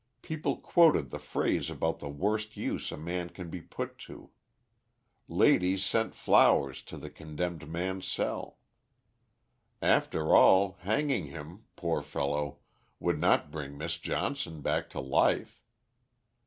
People quoted the phrase about the worst use a man can be put to. Ladies sent flowers to the condemned man's cell. After all, hanging him, poor fellow, would not bring Miss Johnson back to life.